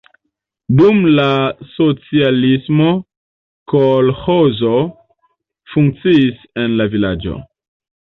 Dum la socialismo kolĥozo funkciis en la vilaĝo.